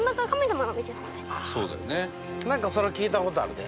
ああなんかそれは聞いた事あるね